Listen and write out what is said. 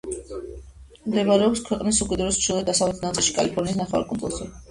მდებარეობს ქვეყნის უკიდურეს ჩრდილო-დასავლეთ ნაწილში, კალიფორნიის ნახევარკუნძულზე.